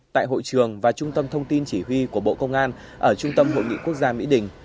tại hội trường và trung tâm thông tin chỉ huy của bộ công an ở trung tâm hội nghị quốc gia mỹ đình